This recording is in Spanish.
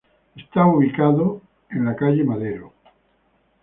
Está ubicado por la calle Madero.